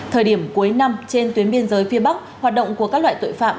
thời điểm cuối năm trên tuyến biên giới phía bắc hoạt động của các loại tội phạm